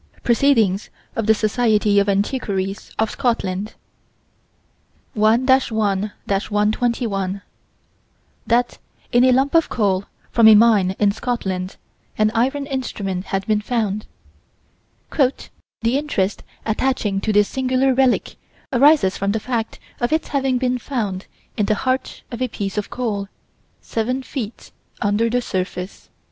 Proc. Soc. of Antiq. of Scotland, 1 1 121: That, in a lump of coal, from a mine in Scotland, an iron instrument had been found "The interest attaching to this singular relic arises from the fact of its having been found in the heart of a piece of coal, seven feet under the surface."